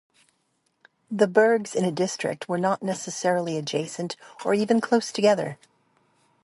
The burghs in a district were not necessarily adjacent or even close together.